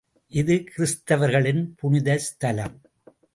இது கிறிஸ்தவர்களின் புனித ஸ்தலம்.